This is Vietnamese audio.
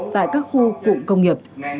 tại các khu cụm công nghiệp